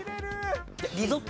リゾット。